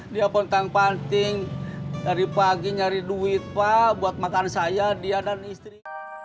dia bentang panting dari pagi nyari duit pak buat makan saya dia dan istri